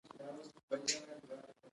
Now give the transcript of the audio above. پکورې له تودو تیلو څخه راوزي